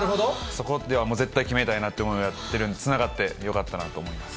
そこでは絶対決めたいなと思ってやってるので、つながってよかったなと思います。